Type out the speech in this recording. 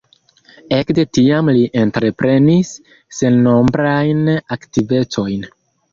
Ekde tiam li entreprenis sennombrajn aktivecojn.